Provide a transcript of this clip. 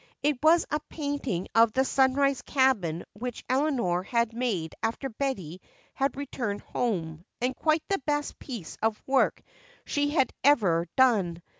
It was a painting of the Sunrise cabin which Eleanor had made after Betty had returned home and quite the best piece of work she had ever done.